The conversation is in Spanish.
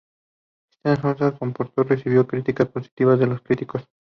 Straight Outta Compton recibió críticas positivas de los críticos.